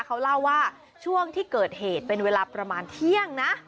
เขาเล่าว่าช่วงที่เกิดเหตุเป็นเวลาประมาณเที่ยงนะ